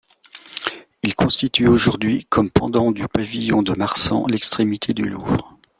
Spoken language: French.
Il constitue aujourd'hui, comme pendant du Pavillon de Marsan, l'extrémité du Louvre.